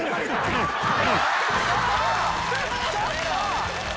ちょっと！